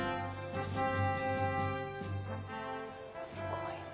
すごいな。